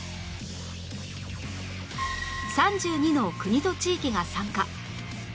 ３２の国と地域が参加